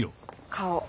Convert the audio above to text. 顔